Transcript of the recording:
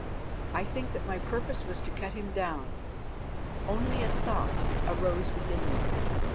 I think that my purpose was to cut him down. Only a thought arose within me.